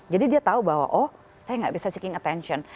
jadi dia tahu bahwa oh saya nggak bisa seeking attention